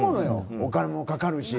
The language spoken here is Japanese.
お金もかかるし。